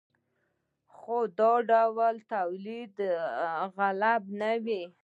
خو دا ډول تولید غالب نه و.